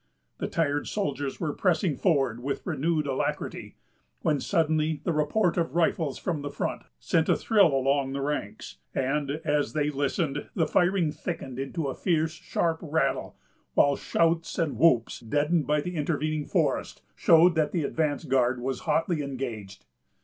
The tired soldiers were pressing forward with renewed alacrity, when suddenly the report of rifles from the front sent a thrill along the ranks; and, as they listened, the firing thickened into a fierce, sharp rattle; while shouts and whoops, deadened by the intervening forest, showed that the advance guard was hotly engaged.